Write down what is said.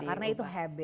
iya karena itu habit